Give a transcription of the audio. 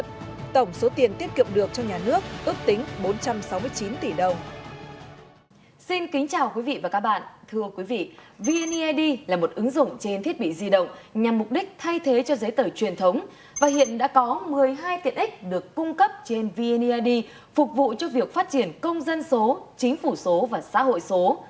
với hai tiện ích được cung cấp trên vneid phục vụ cho việc phát triển công dân số chính phủ số và xã hội số